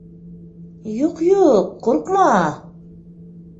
Юҡ, юҡ, ҡурҡма...